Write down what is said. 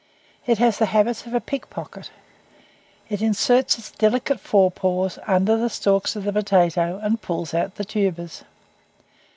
It has the habits of a pickpocket. It inserts its delicate fore paws under the stalks of the potato, and pulls out the tubers.